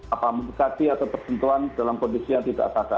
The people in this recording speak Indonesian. apa mengikati atau persentuan dalam kondisi yang tidak tata